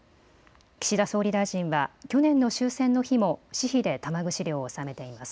岸田総理大臣は去年の終戦の日も私費で玉串料を納めています。